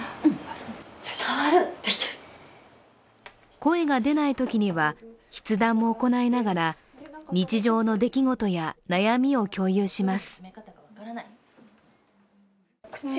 声が出ないときには筆談も行いながら日常の出来事や悩みを共有します。